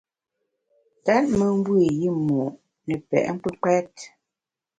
Tèt me mbe i yimo’ ne pe’ kpùkpèt.